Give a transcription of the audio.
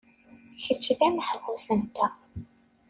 Kečč d ameḥbus-nteɣ.